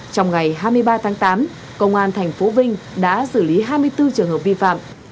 trong ngày hai mươi ba tháng tám công an tp vinh đã xử lý hai mươi bốn trường hợp vi phạm